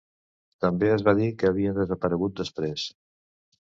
També es va dir que havien desaparegut després.